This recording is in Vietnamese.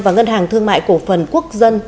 và ngân hàng thương mại cổ phần quốc dân